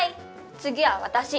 次は私。